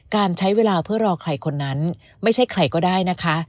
การใช้เวลาเพื่อรอใครคนนั้นไม่ใช่ใครก็ได้นะคะ